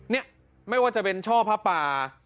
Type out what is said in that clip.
นี่ไม่ว่าจะเป็นช่อผ้าป่า